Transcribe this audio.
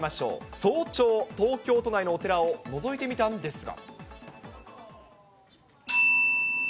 早朝、東京都内のお寺をのぞいてみたんですが。